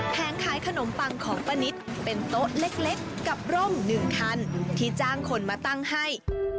ขายขนมปังของป้านิตเป็นโต๊ะเล็กกับร่ม๑คันที่จ้างคนมาตั้งให้